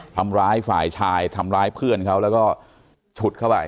ทำร้ายฝ่ายชายทำร้ายเพื่อนเขาแล้วก็ฉุดเข้าไป